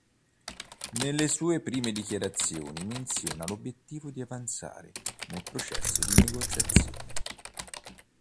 Nelle sue prime dichiarazioni menziona l'obiettivo di avanzare nel processo di negoziazione.